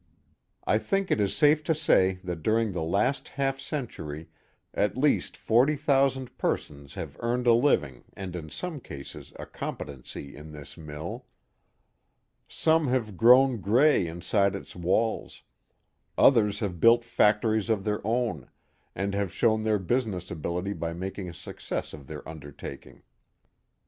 I think it is safe to say that during the last half century at least forty thousand persons have earned a living and in some cases a competency in this mill. Some have grown gray inside its walls; others have built factories of their own, and have shown their business ability by making a success of their undertaking.